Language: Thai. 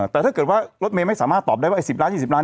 แต่ถ้าเกิดว่ารถเมย์ไม่สามารถตอบได้ว่า๑๐ล้าน๒๐ล้าน